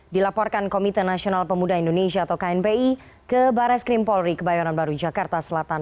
dilaporkan komite nasional pemuda indonesia atau knpi ke baris krimpolri kebayoran baru jakarta selatan